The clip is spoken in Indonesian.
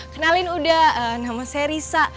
kenalin udah nama saya risa